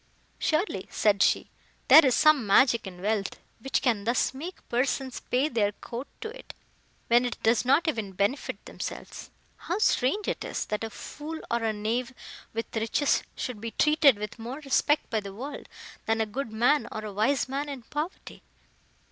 "Surely," said she, "there is some magic in wealth, which can thus make persons pay their court to it, when it does not even benefit themselves. How strange it is, that a fool or a knave, with riches, should be treated with more respect by the world, than a good man, or a wise man in poverty!"